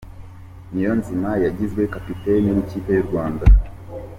Niyonzima yagizwe kapiteni w’ikipe y’u rwanda